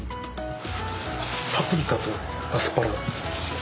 パプリカとアスパラ。